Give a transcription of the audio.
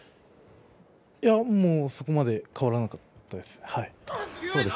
いやもうそこまで変わらなかったです。